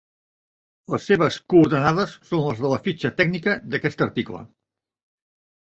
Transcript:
Les seves coordenades són les de la fitxa tècnica d'aquest article.